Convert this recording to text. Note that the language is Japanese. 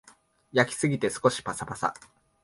焼きすぎて少しパサパサ